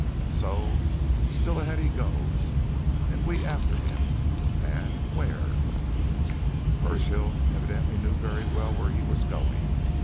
And so still ahead he goes, and we after him! And where?" Burchill evidently knew very well where he was going.